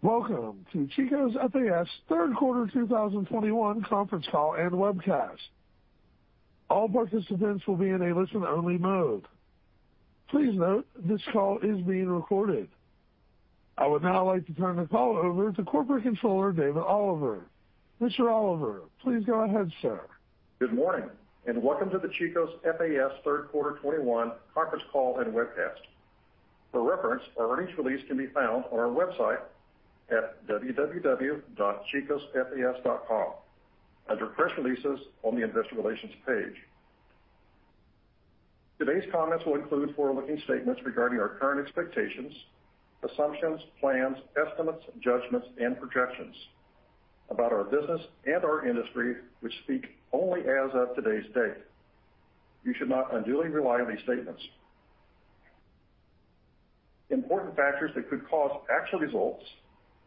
Welcome to Chico's FAS third quarter 2021 conference call and webcast. All participants will be in a listen-only mode. Please note this call is being recorded. I would now like to turn the call over to Corporate Controller David Oliver. Mr. Oliver, please go ahead, sir. Good morning, and welcome to the Chico's FAS third quarter 2021 conference call and webcast. For reference, our earnings release can be found on our website at www.chicosfas.com under Press Releases on the Investor Relations page. Today's comments will include forward-looking statements regarding our current expectations, assumptions, plans, estimates, judgments, and projections about our business and our industry, which speak only as of today's date. You should not unduly rely on these statements. Important factors that could cause actual results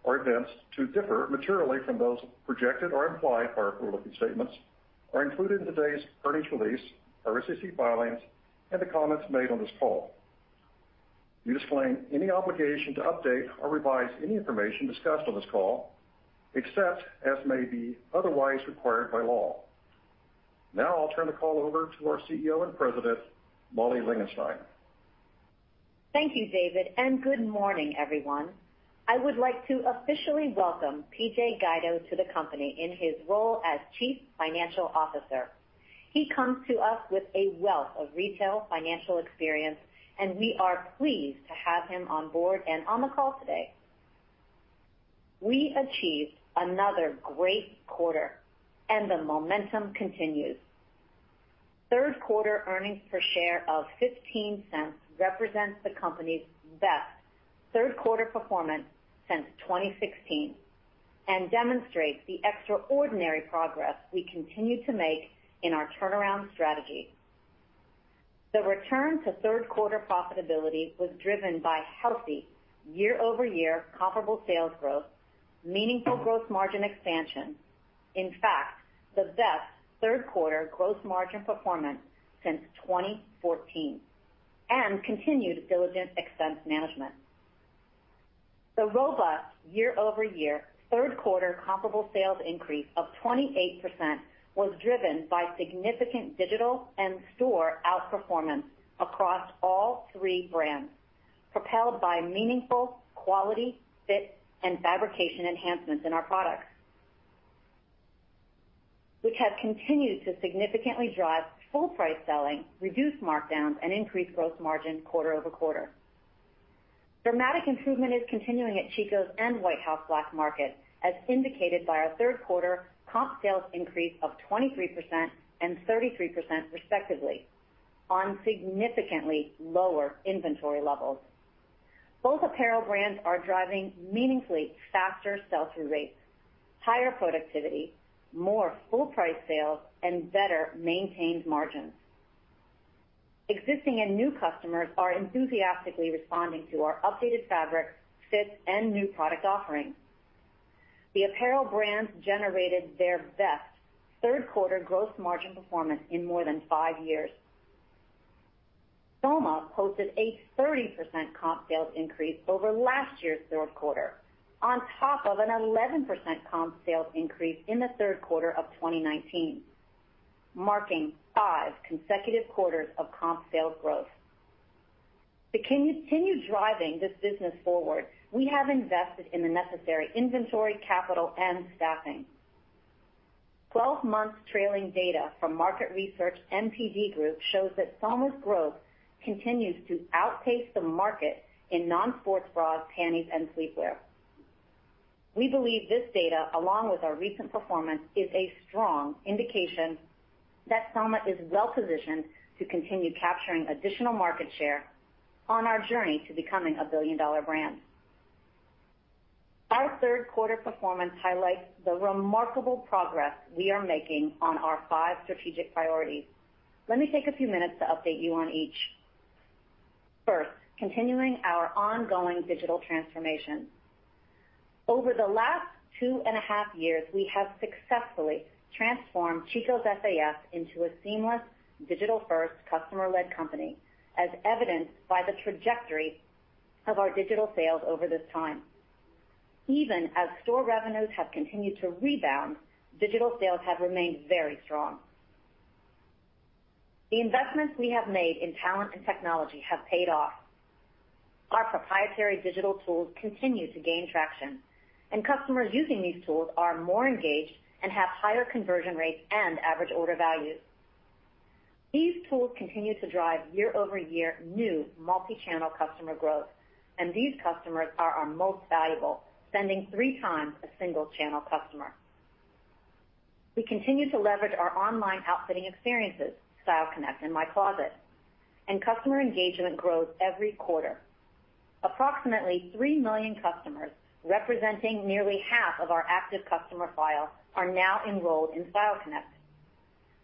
or events to differ materially from those projected or implied by our forward-looking statements are included in today's earnings release, our SEC filings, and the comments made on this call. We disclaim any obligation to update or revise any information discussed on this call, except as may be otherwise required by law. Now I'll turn the call over to our CEO and President, Molly Langenstein. Thank you, David, and good morning, everyone. I would like to officially welcome PJ Guido to the company in his role as Chief Financial Officer. He comes to us with a wealth of retail financial experience, and we are pleased to have him on board and on the call today. We achieved another great quarter, and the momentum continues. Third quarter earnings per share of $0.15 represents the company's best third quarter performance since 2016 and demonstrates the extraordinary progress we continue to make in our turnaround strategy. The return to third quarter profitability was driven by healthy year-over-year comparable sales growth, meaningful gross margin expansion. In fact, the best third quarter gross margin performance since 2014 and continued diligent expense management. The robust year-over-year third quarter comparable sales increase of 28% was driven by significant digital and store outperformance across all three brands, propelled by meaningful quality, fit, and fabrication enhancements in our products, which have continued to significantly drive full price selling, reduce markdowns, and increase gross margin quarter over quarter. Dramatic improvement is continuing at Chico's and White House Black Market, as indicated by our third quarter comp sales increase of 23% and 33% respectively on significantly lower inventory levels. Both apparel brands are driving meaningfully faster sell-through rates, higher productivity, more full price sales, and better maintained margins. Existing and new customers are enthusiastically responding to our updated fabric, fits, and new product offerings. The apparel brands generated their best third quarter gross margin performance in more than five years. Soma posted a 30% comp sales increase over last year's third quarter on top of an 11% comp sales increase in the third quarter of 2019, marking 5 consecutive quarters of comp sales growth. To continue driving this business forward, we have invested in the necessary inventory, capital, and staffing. 12 months trailing data from market research NPD Group shows that Soma's growth continues to outpace the market in non-sports bras, panties, and sleepwear. We believe this data, along with our recent performance, is a strong indication that Soma is well positioned to continue capturing additional market share on our journey to becoming a billion-dollar brand. Our third quarter performance highlights the remarkable progress we are making on our 5 strategic priorities. Let me take a few minutes to update you on each. First, continuing our ongoing digital transformation. Over the last 2.5 years, we have successfully transformed Chico's FAS into a seamless, digital-first, customer-led company, as evidenced by the trajectory of our digital sales over this time. Even as store revenues have continued to rebound, digital sales have remained very strong. The investments we have made in talent and technology have paid off. Our proprietary digital tools continue to gain traction, and customers using these tools are more engaged and have higher conversion rates and average order values. These tools continue to drive year-over-year new multi-channel customer growth, and these customers are our most valuable, spending 3 times a single-channel customer. We continue to leverage our online outfitting experiences, StyleConnect and My Closet, and customer engagement grows every quarter. Approximately 3 million customers, representing nearly half of our active customer file, are now enrolled in StyleConnect.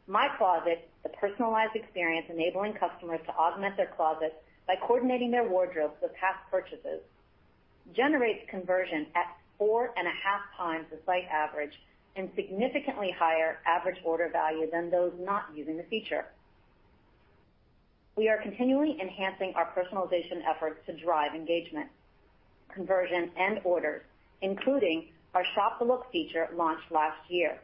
My Closet, the personalized experience enabling customers to augment their closets by coordinating their wardrobes with past purchases, generates conversion at 4.5x the site average and significantly higher average order value than those not using the feature. We are continually enhancing our personalization efforts to drive engagement, conversion, and orders, including our Shop The Look feature launched last year.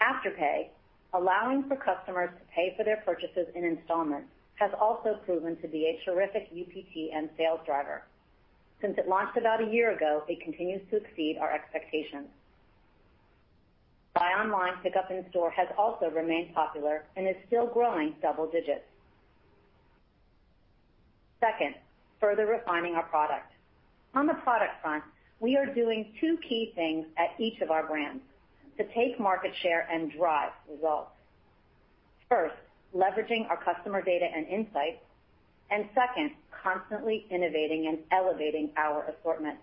Afterpay, allowing for customers to pay for their purchases in installments, has also proven to be a terrific UPT and sales driver. Since it launched about a year ago, it continues to exceed our expectations. Buy online, pickup in store has also remained popular and is still growing double digits. Second, further refining our product. On the product front, we are doing two key things at each of our brands to take market share and drive results. First, leveraging our customer data and insights, and second, constantly innovating and elevating our assortment.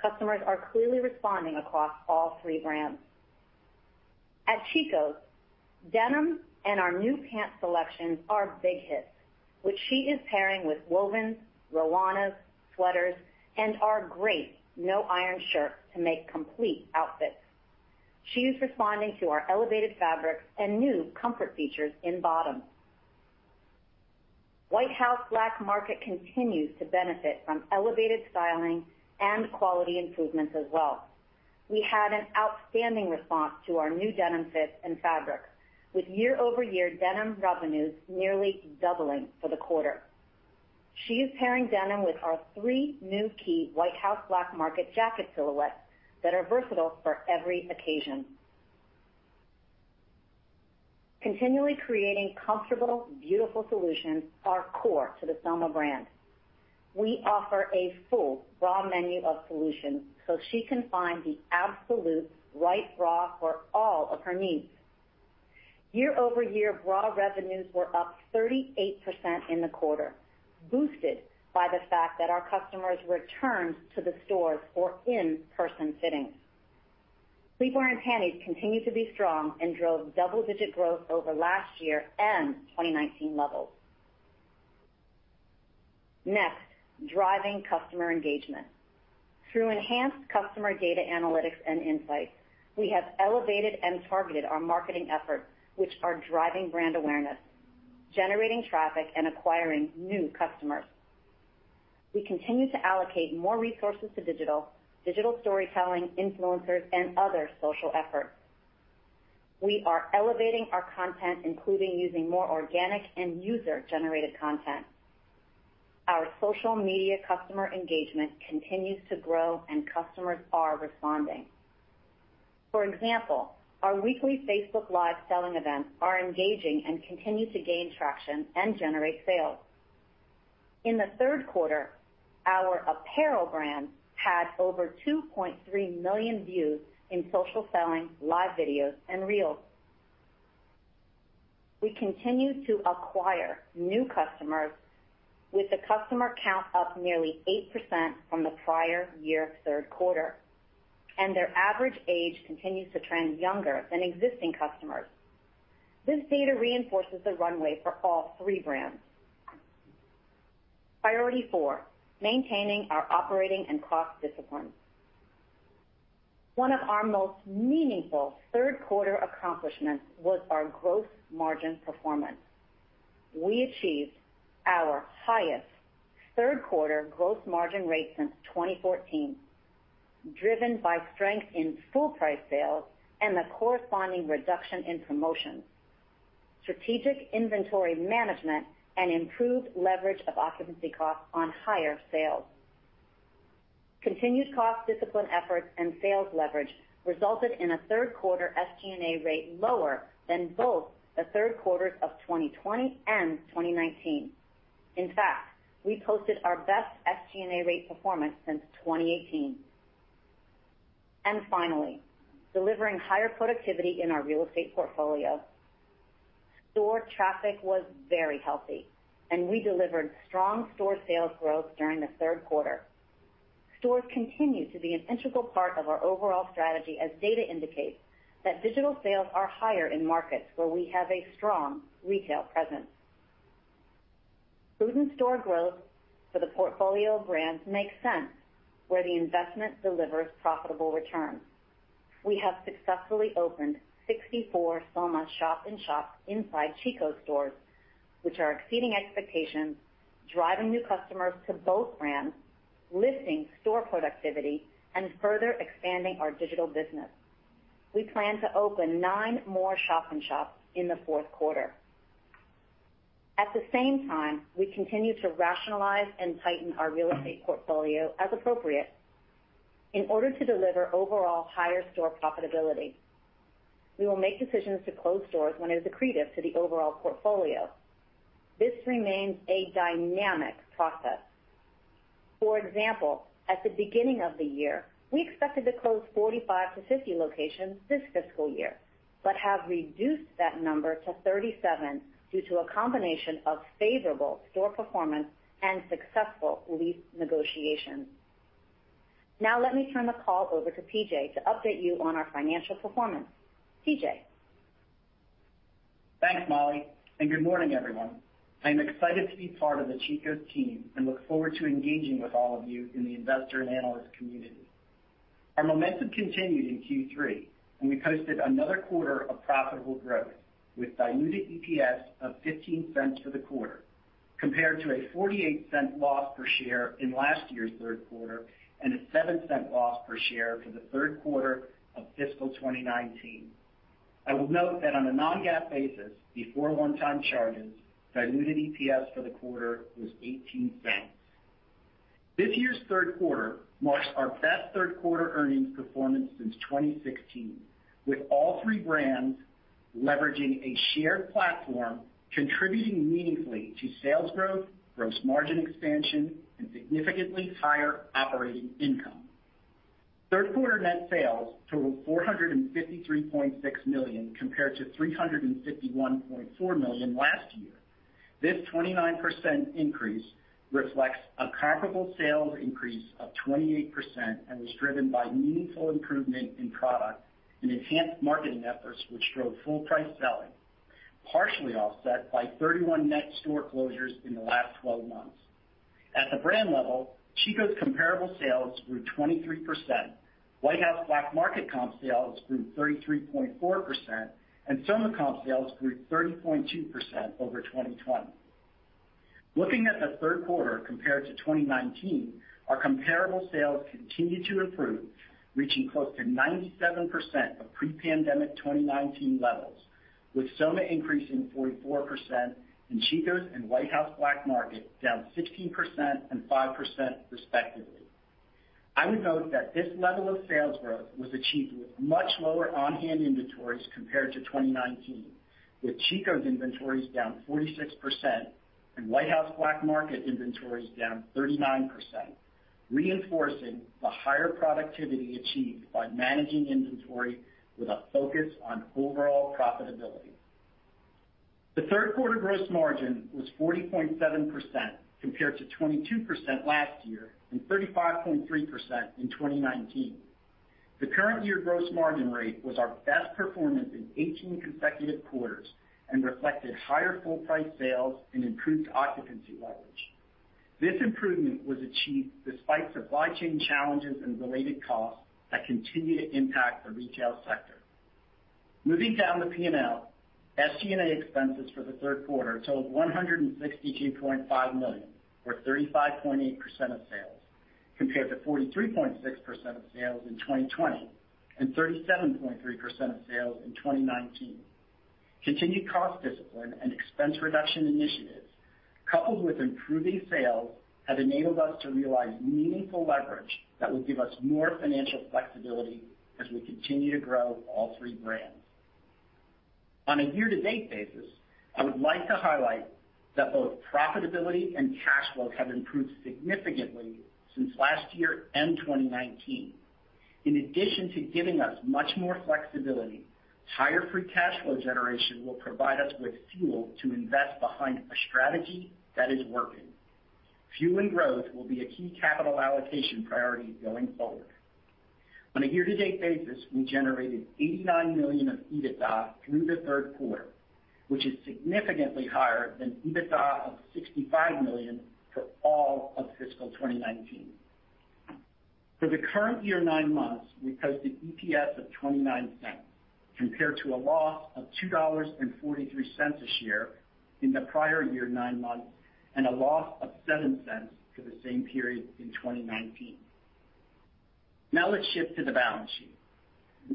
Customers are clearly responding across all three brands. At Chico's, denim and our new pant selections are big hits, which she is pairing with wovens, Luana, sweaters, and our great No-Iron shirts to make complete outfits. She is responding to our elevated fabrics and new comfort features in bottoms. White House Black Market continues to benefit from elevated styling and quality improvements as well. We had an outstanding response to our new denim fit and fabric, with year-over-year denim revenues nearly doubling for the quarter. She is pairing denim with our three new key White House Black Market jacket silhouettes that are versatile for every occasion. Continually creating comfortable, beautiful solutions are core to the Soma brand. We offer a full bra menu of solutions so she can find the absolute right bra for all of her needs. Year-over-year bra revenues were up 38% in the quarter, boosted by the fact that our customers returned to the stores for in-person fittings. Sleepwear and panties continue to be strong and drove double-digit growth over last year and 2019 levels. Next, driving customer engagement. Through enhanced customer data analytics and insights, we have elevated and targeted our marketing efforts, which are driving brand awareness, generating traffic, and acquiring new customers. We continue to allocate more resources to digital storytelling, influencers, and other social efforts. We are elevating our content, including using more organic and user-generated content. Our social media customer engagement continues to grow and customers are responding. For example, our weekly Facebook Live selling events are engaging and continue to gain traction and generate sales. In the third quarter, our apparel brand had over 2.3 million views in social selling, live videos, and reels. We continue to acquire new customers with the customer count up nearly 8% from the prior year third quarter, and their average age continues to trend younger than existing customers. This data reinforces the runway for all three brands. Priority four, maintaining our operating and cost discipline. One of our most meaningful third quarter accomplishments was our gross margin performance. We achieved our highest third quarter gross margin rate since 2014, driven by strength in full price sales and the corresponding reduction in promotions, strategic inventory management, and improved leverage of occupancy costs on higher sales. Continued cost discipline efforts and sales leverage resulted in a third quarter SG&A rate lower than both the third quarters of 2020 and 2019. In fact, we posted our best SG&A rate performance since 2018. Finally, delivering higher productivity in our real estate portfolio. Store traffic was very healthy, and we delivered strong store sales growth during the third quarter. Stores continue to be an integral part of our overall strategy as data indicates that digital sales are higher in markets where we have a strong retail presence. For in-store growth for the portfolio of brands makes sense, where the investment delivers profitable returns. We have successfully opened 64 Soma shop in shops inside Chico's stores, which are exceeding expectations, driving new customers to both brands, lifting store productivity, and further expanding our digital business. We plan to open nine more shop in shops in the fourth quarter. At the same time, we continue to rationalize and tighten our real estate portfolio as appropriate. In order to deliver overall higher store profitability, we will make decisions to close stores when it is accretive to the overall portfolio. This remains a dynamic process. For example, at the beginning of the year, we expected to close 45-50 locations this fiscal year, but have reduced that number to 37 due to a combination of favorable store performance and successful lease negotiations. Now let me turn the call over to PJ to update you on our financial performance. PJ? Thanks, Molly, and good morning, everyone. I am excited to be part of the Chico's team and look forward to engaging with all of you in the investor and analyst community. Our momentum continued in Q3, and we posted another quarter of profitable growth with diluted EPS of $0.15 for the quarter, compared to a $0.48 loss per share in last year's third quarter and a $0.07 loss per share for the third quarter of fiscal 2019. I will note that on a non-GAAP basis, before one-time charges, diluted EPS for the quarter was $0.18. This year's third quarter marks our best third quarter earnings performance since 2016, with all three brands leveraging a shared platform, contributing meaningfully to sales growth, gross margin expansion, and significantly higher operating income. Third quarter net sales totaled $453.6 million, compared to $351.4 million last year. This 29% increase reflects a comparable sales increase of 28% and was driven by meaningful improvement in product and enhanced marketing efforts, which drove full price selling, partially offset by 31 net store closures in the last 12 months. At the brand level, Chico's comparable sales grew 23%, White House Black Market comp sales grew 33.4%, and Soma comp sales grew 30.2% over 2020. Looking at the third quarter compared to 2019, our comparable sales continued to improve, reaching close to 97% of pre-pandemic 2019 levels, with Soma increasing 44% and Chico's and White House Black Market down 16% and 5% respectively. I would note that this level of sales growth was achieved with much lower on-hand inventories compared to 2019, with Chico's inventories down 46% and White House Black Market inventories down 39%, reinforcing the higher productivity achieved by managing inventory with a focus on overall profitability. The third quarter gross margin was 40.7% compared to 22% last year and 35.3% in 2019. The current year gross margin rate was our best performance in 18 consecutive quarters and reflected higher full price sales and improved occupancy leverage. This improvement was achieved despite supply chain challenges and related costs that continue to impact the retail sector. Moving down the P&L, SG&A expenses for the third quarter totaled $162.5 million, or 35.8% of sales, compared to 43.6% of sales in 2020 and 37.3% of sales in 2019. Continued cost discipline and expense reduction initiatives, coupled with improving sales, have enabled us to realize meaningful leverage that will give us more financial flexibility as we continue to grow all three brands. On a year-to-date basis, I would like to highlight that both profitability and cash flow have improved significantly since last year and 2019. In addition to giving us much more flexibility, higher free cash flow generation will provide us with fuel to invest behind a strategy that is working. Fuel and growth will be a key capital allocation priority going forward. On a year-to-date basis, we generated $89 million of EBITDA through the third quarter, which is significantly higher than EBITDA of $65 million for all of fiscal 2019. For the current year nine months, we posted EPS of $0.29, compared to a loss of $2.43 a share in the prior year nine months, and a loss of $0.07 for the same period in 2019. Now let's shift to the balance sheet.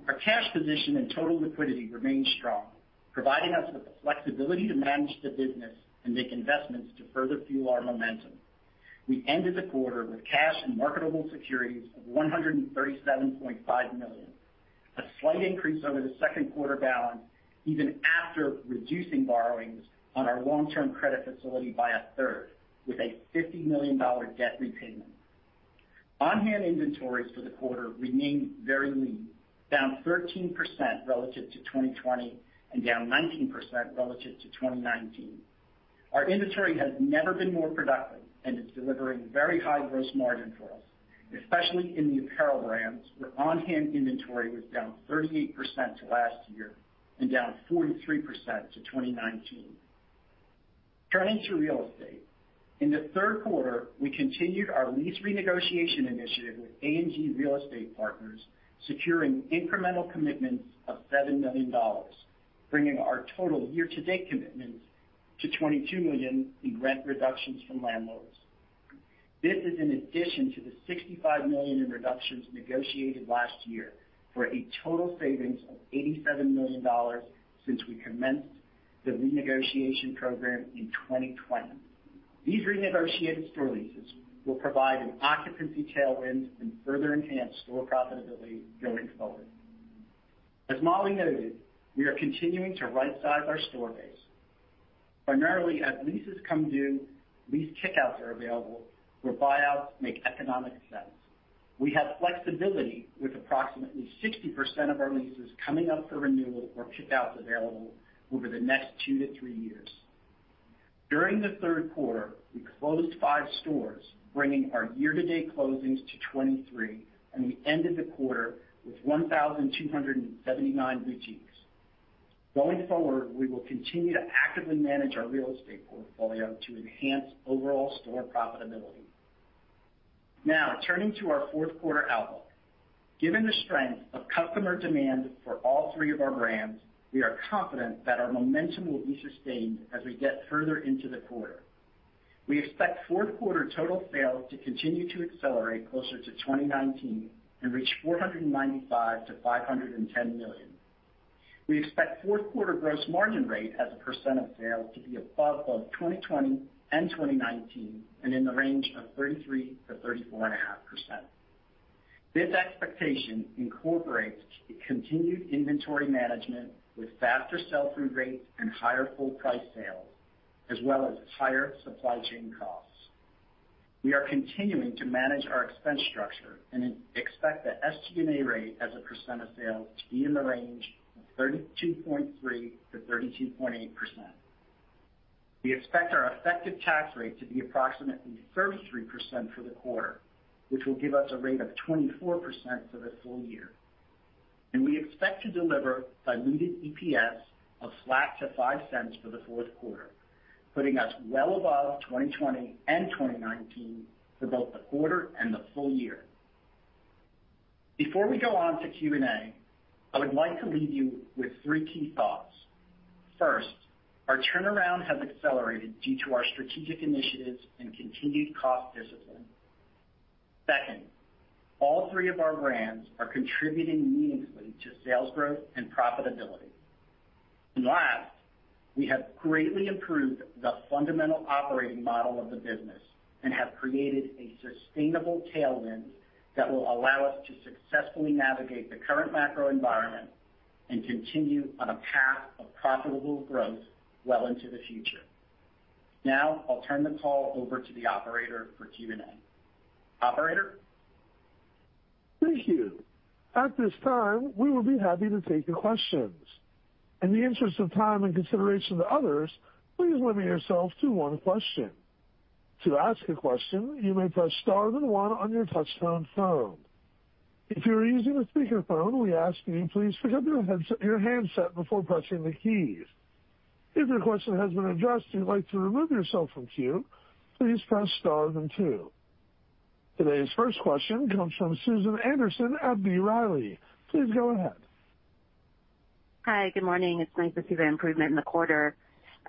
Our cash position and total liquidity remain strong, providing us with the flexibility to manage the business and make investments to further fuel our momentum. We ended the quarter with cash and marketable securities of $137.5 million, a slight increase over the second quarter balance, even after reducing borrowings on our long-term credit facility by a third with a $50 million debt repayment. On-hand inventories for the quarter remained very lean, down 13% relative to 2020 and down 19% relative to 2019. Our inventory has never been more productive and is delivering very high gross margin for us, especially in the apparel brands, where on-hand inventory was down 38% to last year and down 43% to 2019. Turning to real estate, in the third quarter, we continued our lease renegotiation initiative with A&G Real Estate Partners, securing incremental commitments of $7 million, bringing our total year-to-date commitment to $22 million in rent reductions from landlords. This is in addition to the $65 million in reductions negotiated last year, for a total savings of $87 million since we commenced the renegotiation program in 2020. These renegotiated store leases will provide an occupancy tailwind and further enhance store profitability going forward. As Molly noted, we are continuing to rightsize our store base. Primarily, as leases come due, lease kick-outs are available where buyouts make economic sense. We have flexibility with approximately 60% of our leases coming up for renewal or kick-outs available over the next 2-3 years. During the third quarter, we closed 5 stores, bringing our year-to-date closings to 23, and we ended the quarter with 1,279 boutiques. Going forward, we will continue to actively manage our real estate portfolio to enhance overall store profitability. Now, turning to our fourth quarter outlook. Given the strength of customer demand for all three of our brands, we are confident that our momentum will be sustained as we get further into the quarter. We expect fourth quarter total sales to continue to accelerate closer to 2019 and reach $495 million-$510 million. We expect fourth quarter gross margin rate as a percent of sales to be above both 2020 and 2019 and in the range of 33%-34.5%. This expectation incorporates a continued inventory management with faster sell-through rates and higher full price sales, as well as higher supply chain costs. We are continuing to manage our expense structure and expect the SG&A rate as a percent of sales to be in the range of 32.3%-32.8%. We expect our effective tax rate to be approximately 33% for the quarter, which will give us a rate of 24% for the full year. We expect to deliver diluted EPS of flat to $0.05 for the fourth quarter, putting us well above 2020 and 2019 for both the quarter and the full year. Before we go on to Q&A, I would like to leave you with 3 key thoughts. First, our turnaround has accelerated due to our strategic initiatives and continued cost discipline. Second, all 3 of our brands are contributing meaningfully to sales growth and profitability. Last, we have greatly improved the fundamental operating model of the business and have created a sustainable tailwind that will allow us to successfully navigate the current macro environment and continue on a path of profitable growth well into the future. Now, I'll turn the call over to the operator for Q&A. Operator? Thank you. At this time, we will be happy to take your questions. In the interest of time and consideration to others, please limit yourself to one question. To ask a question, you may press star then one on your touchtone phone. If you are using a speaker phone, we ask you please pick up your handset before pressing the key. If your question has been addressed and you'd like to remove yourself from queue, please press star then two. Today's first question comes from Susan Anderson at B. Riley. Please go ahead. Hi, good morning. It's nice to see the improvement in the quarter.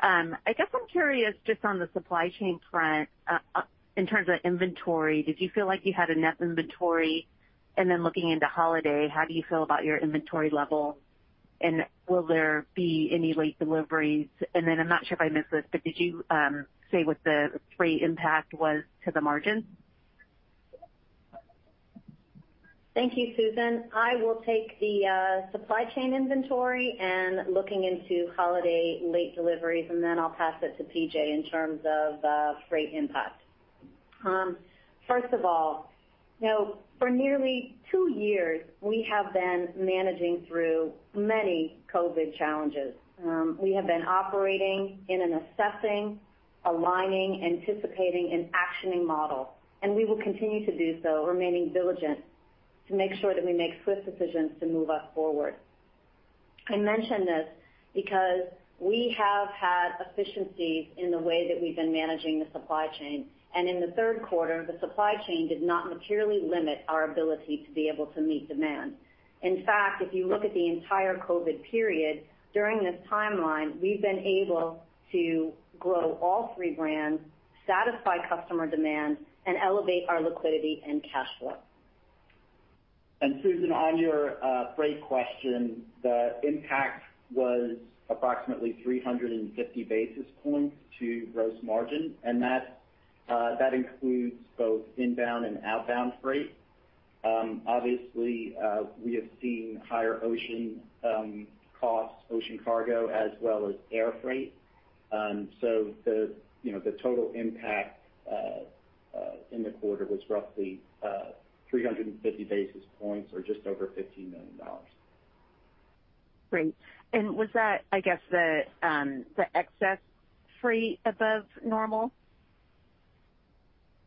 I guess I'm curious just on the supply chain front, in terms of inventory, did you feel like you had enough inventory? Looking into holiday, how do you feel about your inventory level, and will there be any late deliveries? I'm not sure if I missed this, but did you say what the freight impact was to the margin? Thank you, Susan. I will take the supply chain inventory and looking into holiday late deliveries, and then I'll pass it to PJ in terms of freight impact. First of all, you know, for nearly two years, we have been managing through many COVID challenges. We have been operating in an assessing, aligning, anticipating, and actioning model, and we will continue to do so, remaining diligent to make sure that we make swift decisions to move us forward. I mention this because we have had efficiencies in the way that we've been managing the supply chain, and in the third quarter, the supply chain did not materially limit our ability to be able to meet demand. In fact, if you look at the entire COVID period, during this timeline, we've been able to grow all three brands, satisfy customer demand, and elevate our liquidity and cash flow. Susan, on your freight question, the impact was approximately 350 basis points to gross margin, and that includes both inbound and outbound freight. Obviously, we have seen higher ocean costs, ocean cargo, as well as air freight. The total impact in the quarter was roughly 350 basis points or just over $15 million. Great. Was that, I guess, the excess freight above normal?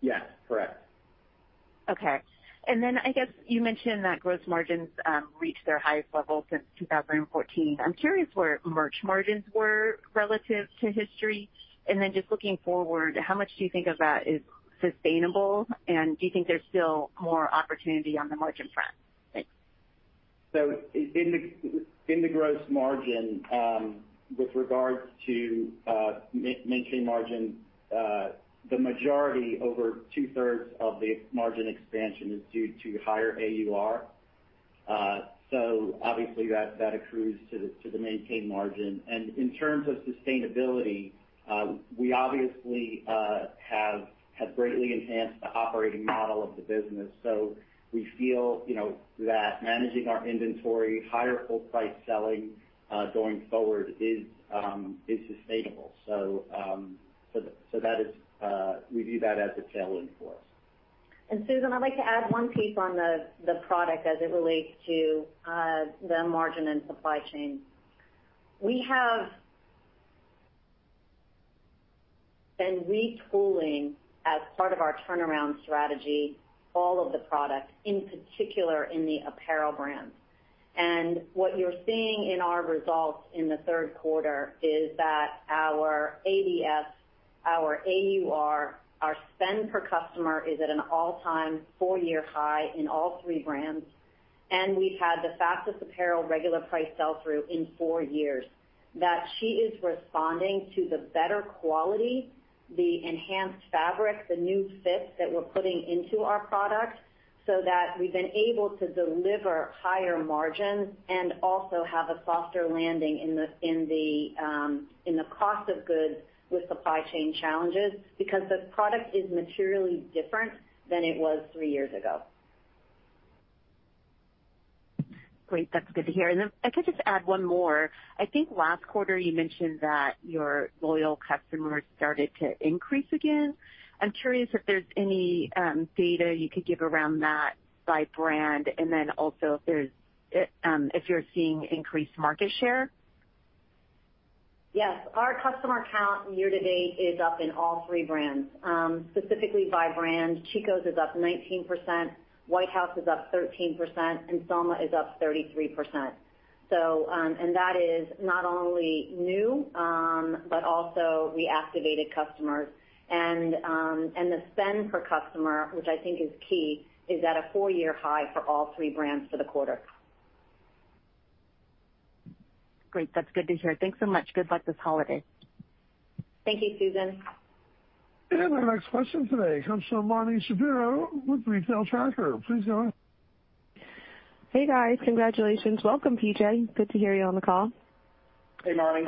Yes, correct. Okay. I guess you mentioned that gross margins reached their highest level since 2014. I'm curious where merch margins were relative to history. Just looking forward, how much do you think of that is sustainable, and do you think there's still more opportunity on the margin front? Thanks. In the gross margin, with regards to maintain margin, the majority, over two-thirds of the margin expansion is due to higher AUR. Obviously that accrues to the maintain margin. In terms of sustainability, we obviously have greatly enhanced the operating model of the business. We feel that managing our inventory, higher full price selling, going forward is sustainable. That is, we view that as a tailwind for us. Susan, I'd like to add one piece on the product as it relates to the margin and supply chain. We have been retooling as part of our turnaround strategy, all of the products, in particular in the apparel brands. What you're seeing in our results in the third quarter is that our ADS, our AUR, our spend per customer is at an all-time four-year high in all three brands, and we've had the fastest apparel regular price sell-through in four years. The customer is responding to the better quality, the enhanced fabric, the new fit that we're putting into our products so that we've been able to deliver higher margins and also have a softer landing in the cost of goods with supply chain challenges, because the product is materially different than it was three years ago. Great. That's good to hear. If I could just add one more. I think last quarter you mentioned that your loyal customers started to increase again. I'm curious if there's any data you could give around that by brand, and then also if you're seeing increased market share? Yes. Our customer count year to date is up in all three brands. Specifically by brand, Chico's is up 19%, White House is up 13%, and Soma is up 33%. That is not only new, but also reactivated customers. The spend per customer, which I think is key, is at a four-year high for all three brands for the quarter. Great. That's good to hear. Thanks so much. Good luck this holiday. Thank you, Susan. Our next question today comes from Marni Shapiro with Retail Tracker. Please go ahead. Hey, guys. Congratulations. Welcome, PJ. Good to hear you on the call. Hey, Marni.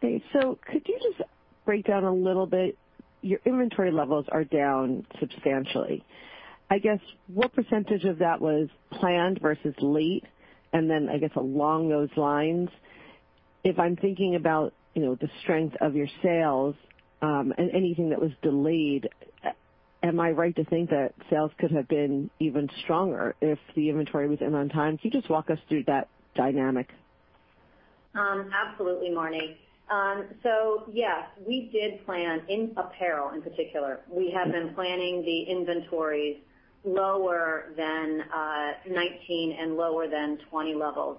Could you just break down a little bit, your inventory levels are down substantially. I guess, what percentage of that was planned versus late? I guess along those lines, if I'm thinking about, you know, the strength of your sales, and anything that was delayed, am I right to think that sales could have been even stronger if the inventory was in on time? Can you just walk us through that dynamic? Absolutely, Marni. Yeah, we did plan in apparel in particular. We have been planning the inventories lower than 19 and lower than 20 levels.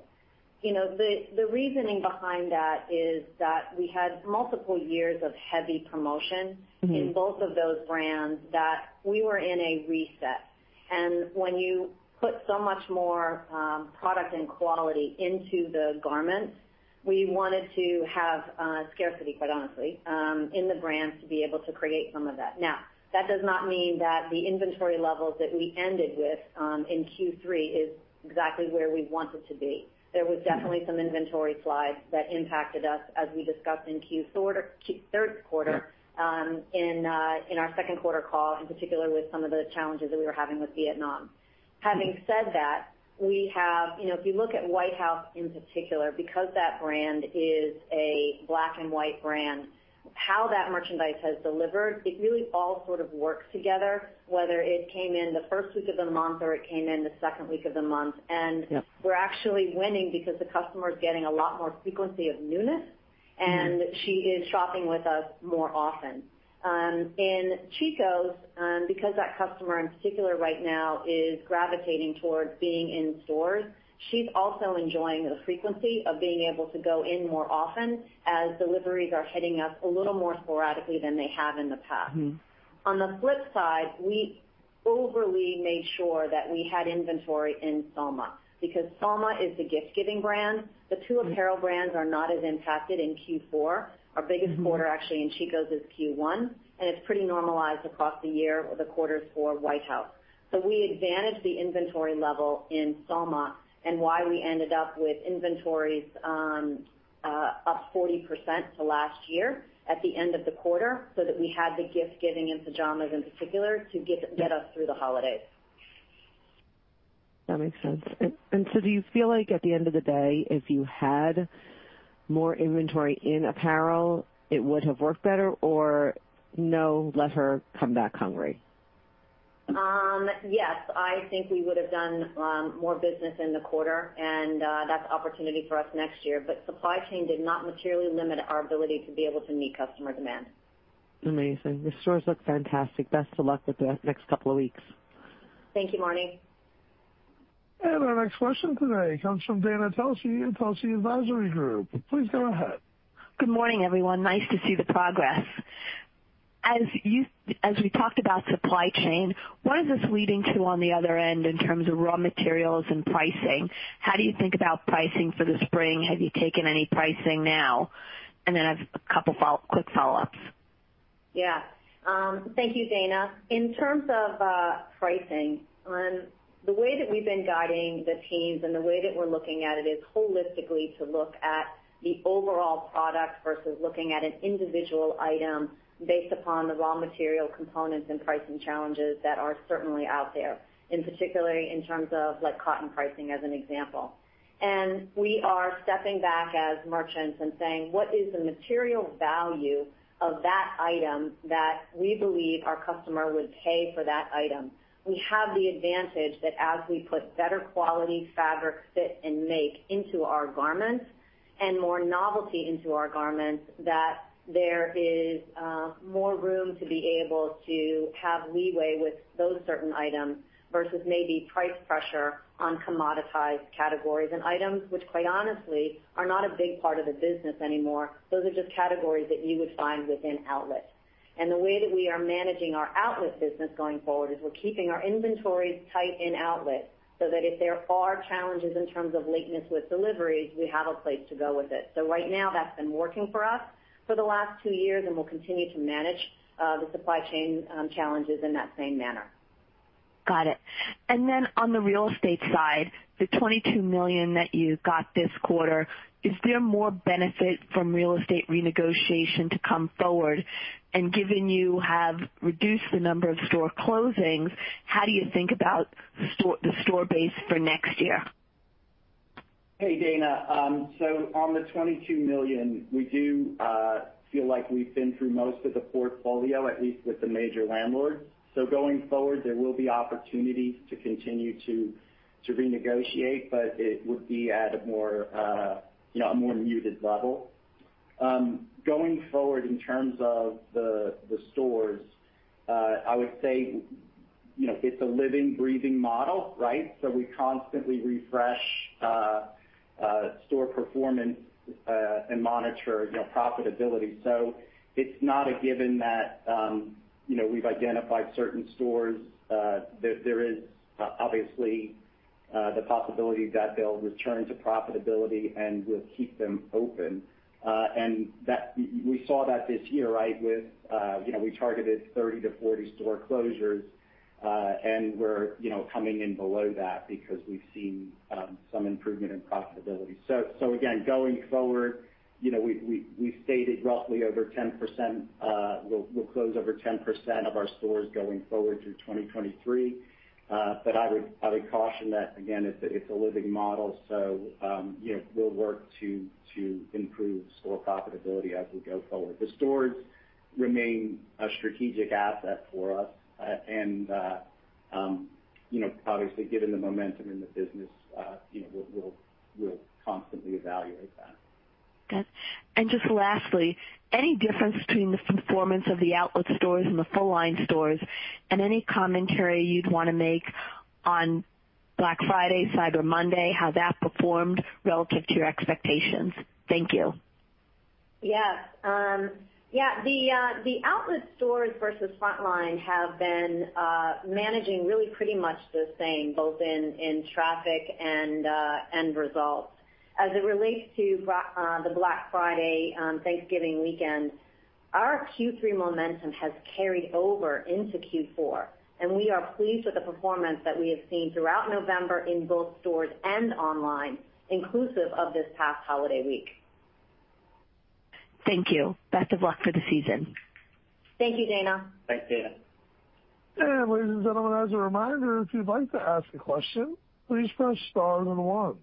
You know, the reasoning behind that is that we had multiple years of heavy promotion. Mm-hmm. In both of those brands that we were in a reset. When you put so much more product and quality into the garments, we wanted to have scarcity, quite honestly, in the brands to be able to create some of that. Now, that does not mean that the inventory levels that we ended with in Q3 is exactly where we want it to be. There was definitely some inventory slides that impacted us as we discussed in third quarter in our second quarter call, in particular with some of the challenges that we were having with Vietnam. Having said that, we have... If you look at White House in particular, because that brand is a black and white brand, how that merchandise has delivered, it really all sort of works together, whether it came in the first week of the month or it came in the second week of the month. We're actually winning because the customer is getting a lot more frequency of newness, and she is shopping with us more often. In Chico's, because that customer in particular right now is gravitating towards being in stores, she's also enjoying the frequency of being able to go in more often as deliveries are hitting us a little more sporadically than they have in the past. Mm-hmm. On the flip side, we overly made sure that we had inventory in Soma because Soma is the gift-giving brand. The two apparel brands are not as impacted in Q4. Our biggest quarter actually in Chico's is Q1, and it's pretty normalized across the year or the quarters for White House. We advantage the inventory level in Soma, and why we ended up with inventories up 40% to last year at the end of the quarter, so that we had the gift giving in pajamas in particular to get us through the holidays. That makes sense. Do you feel like at the end of the day, if you had more inventory in apparel, it would have worked better? Or no, let her come back hungry? I think we would have done more business in the quarter, and that's opportunity for us next year. Supply chain did not materially limit our ability to be able to meet customer demand. Amazing. Your stores look fantastic. Best of luck with the next couple of weeks. Thank you, Marni. Our next question today comes from Dana Telsey in Telsey Advisory Group. Please go ahead. Good morning, everyone. Nice to see the progress. As we talked about supply chain, what is this leading to on the other end in terms of raw materials and pricing? How do you think about pricing for the spring? Have you taken any pricing now? I've a couple quick follow-ups. Yeah. Thank you, Dana. In terms of pricing, the way that we've been guiding the teams and the way that we're looking at it is holistically to look at the overall product versus looking at an individual item based upon the raw material components and pricing challenges that are certainly out there, particularly in terms of like cotton pricing as an example. We are stepping back as merchants and saying, "What is the material value of that item that we believe our customer would pay for that item?" We have the advantage that as we put better quality fabric fit and make into our garments and more novelty into our garments, that there is more room to be able to have leeway with those certain items versus maybe price pressure on commoditized categories and items, which quite honestly are not a big part of the business anymore. Those are just categories that you would find within outlet. The way that we are managing our outlet business going forward is we're keeping our inventories tight in outlet so that if there are challenges in terms of lateness with deliveries, we have a place to go with it. Right now, that's been working for us for the last two years, and we'll continue to manage the supply chain challenges in that same manner. Got it. On the real estate side, the $22 million that you got this quarter, is there more benefit from real estate renegotiation to come forward? Given you have reduced the number of store closings, how do you think about the store base for next year? Hey, Dana. On the $22 million, we do feel like we've been through most of the portfolio, at least with the major landlords. Going forward, there will be opportunities to continue to renegotiate, but it would be at a more muted level. Going forward, in terms of the stores, I would say it's a living, breathing model, right? We constantly refresh store performance and monitor profitability. It's not a given that we've identified certain stores, there is obviously the possibility that they'll return to profitability, and we'll keep them open. We saw that this year, right? We targeted 30-40 store closures and we're you know coming in below that because we've seen some improvement in profitability. Again going forward you know we've stated roughly over 10%, we'll close over 10% of our stores going forward through 2023. I would caution that again it's a living model so you know we'll work to improve store profitability as we go forward. The stores remain a strategic asset for us. Obviously given the momentum in the business you know we'll constantly evaluate that. Okay. Just lastly, any difference between the performance of the outlet stores and the full line stores, and any commentary you'd wanna make on Black Friday, Cyber Monday, how that performed relative to your expectations? Thank you. Yes. Yeah, the outlet stores versus frontline have been managing really pretty much the same, both in traffic and end results. As it relates to the Black Friday, Thanksgiving weekend, our Q3 momentum has carried over into Q4, and we are pleased with the performance that we have seen throughout November in both stores and online, inclusive of this past holiday week. Thank you. Best of luck for the season. Thank you, Dana. Thanks, Dana. Ladies and gentlemen, as a reminder, if you'd like to ask a question, please press star then one.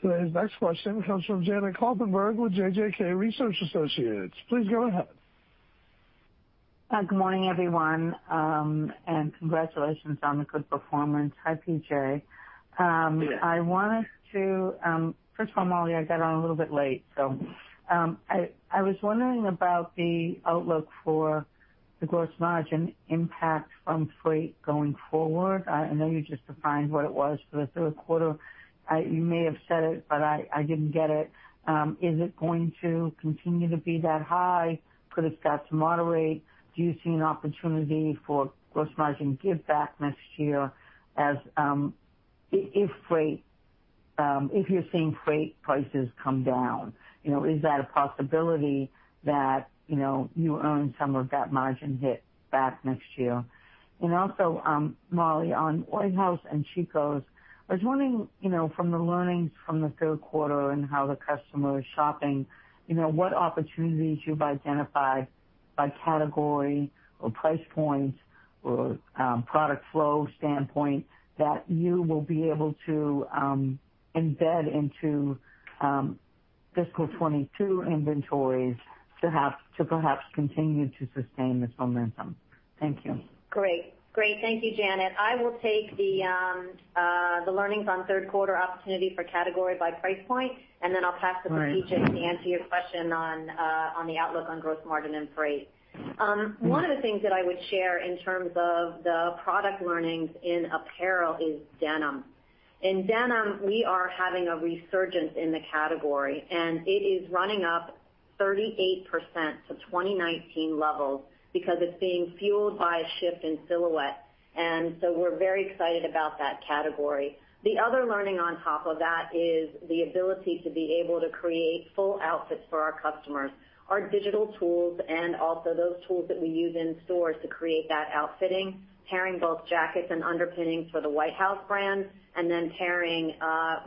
Today's next question comes from Janet Kloppenburg with JJK Research Associates. Please go ahead. Hi, good morning, everyone, and congratulations on the good performance. Hi, PJ. Hey, Janet. First of all, Molly, I got on a little bit late. I was wondering about the outlook for the gross margin impact from freight going forward. I know you just defined what it was for the third quarter. You may have said it, but I didn't get it. Is it going to continue to be that high? Could it start to moderate? Do you see an opportunity for gross margin give back next year as if freight, if you're seeing freight prices come down, you know, is that a possibility that, you know, you earn some of that margin hit back next year? Also, Molly, on White House and Chico's, I was wondering, you know, from the learnings from the third quarter and how the customer is shopping, you know, what opportunities you've identified by category or price points or, product flow standpoint that you will be able to embed into, fiscal 2022 inventories to perhaps continue to sustain this momentum. Thank you. Great. Thank you, Janet. I will take the learnings on third quarter opportunity for category by price point, and then I'll pass it to PJ to answer your question on the outlook on gross margin and freight. One of the things that I would share in terms of the product learnings in apparel is denim. In denim, we are having a resurgence in the category, and it is running up 38% to 2019 levels because it's being fueled by a shift in silhouette. We're very excited about that category. The other learning on top of that is the ability to be able to create full outfits for our customers. Our digital tools, and also those tools that we use in stores to create that outfitting, pairing both jackets and underpinnings for the White House Black Market brand, and then pairing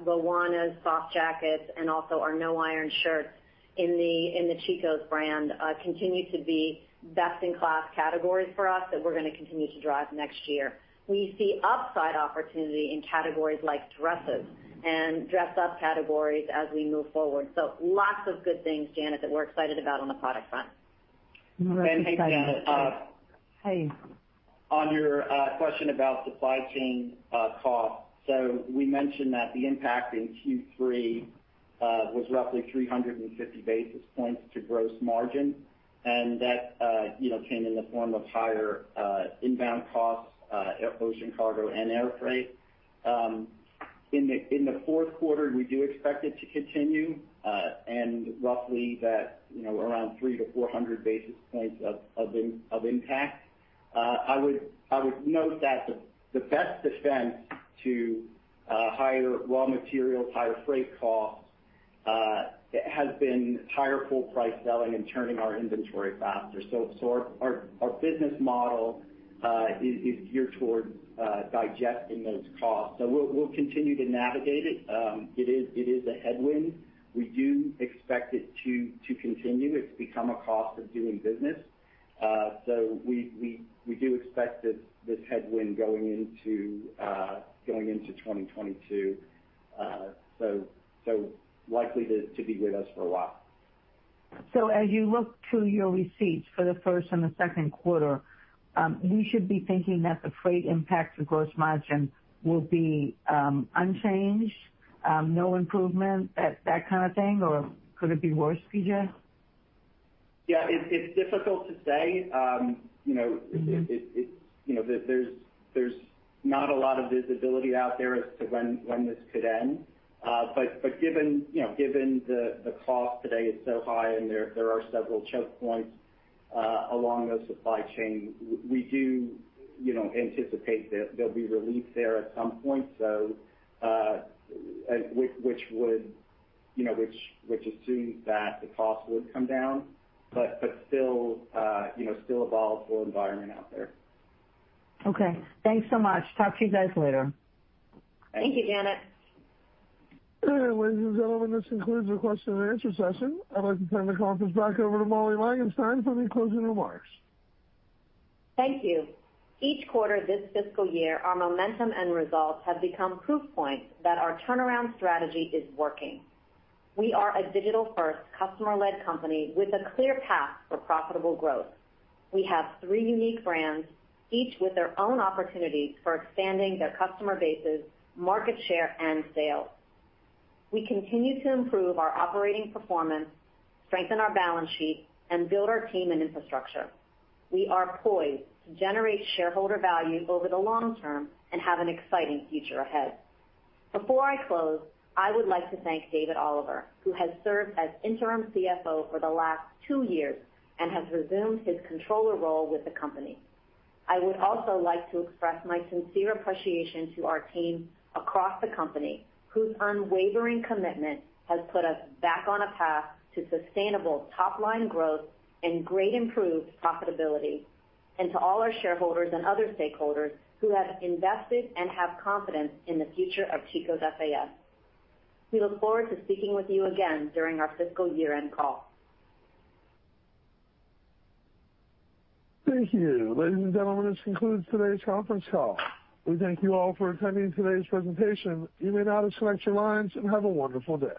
Luana's soft jackets and also our No-Iron shirts in the Chico's brand, continue to be best in class categories for us that we're gonna continue to drive next year. We see upside opportunity in categories like dresses and dress up categories as we move forward. Lots of good things, Janet, that we're excited about on the product front. I'm very excited. Hey, Janet, Hey. On your question about supply chain costs, we mentioned that the impact in Q3 was roughly 350 basis points to gross margin, and that, you know, came in the form of higher inbound costs, ocean cargo and air freight. In the fourth quarter, we do expect it to continue, and roughly that, around 300-400 basis points of impact. I would note that the best defense to higher raw materials, higher freight costs has been higher full price selling and turning our inventory faster. Our business model is geared towards digesting those costs. We'll continue to navigate it. It is a headwind. We do expect it to continue. It's become a cost of doing business. We do expect this headwind going into 2022. Likely to be with us for a while. As you look to your results for the first and the second quarter, we should be thinking that the freight impact to gross margin will be unchanged, no improvement, that kind of thing, or could it be worse for you? Yeah, it's difficult to say. There's not a lot of visibility out there as to when this could end. Given, you know, given the cost today is so high and there are several choke points along the supply chain, we do, you know, anticipate that there'll be relief there at some point, though, which assumes that the cost would come down, but still, you know, still a volatile environment out there. Okay, thanks so much. Talk to you guys later. Thank you, Janet. Ladies and gentlemen, this concludes the question and answer session. I'd like to turn the conference back over to Molly Langenstein for the closing remarks. Thank you. Each quarter this fiscal year, our momentum and results have become proof points that our turnaround strategy is working. We are a digital-first customer-led company with a clear path for profitable growth. We have three unique brands, each with their own opportunities for expanding their customer bases, market share, and sales. We continue to improve our operating performance, strengthen our balance sheet, and build our team and infrastructure. We are poised to generate shareholder value over the long term and have an exciting future ahead. Before I close, I would like to thank David Oliver, who has served as interim CFO for the last two years and has resumed his controller role with the company. I would also like to express my sincere appreciation to our team across the company, whose unwavering commitment has put us back on a path to sustainable top-line growth and great improved profitability, and to all our shareholders and other stakeholders who have invested and have confidence in the future of Chico's FAS. We look forward to speaking with you again during our fiscal year-end call. Thank you. Ladies and gentlemen, this concludes today's conference call. We thank you all for attending today's presentation. You may now disconnect your lines, and have a wonderful day.